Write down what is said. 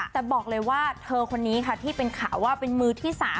แต่บอกเลยว่าเธอคนนี้ค่ะที่เป็นข่าวว่าเป็นมือที่๓